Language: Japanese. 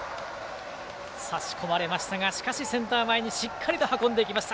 差し込まれましたがしかし、センター前にしっかりと運んでいきました。